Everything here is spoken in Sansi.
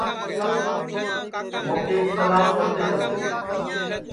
اور موکے کی تلاس کرتے کرتے اِتریام انگریجے کی حکُمت آئی گی